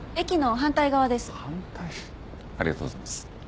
反対ありがとうございます。